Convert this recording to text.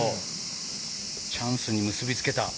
チャンスに結びつけた。